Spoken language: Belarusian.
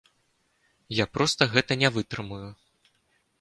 Я проста гэта не вытрымаю.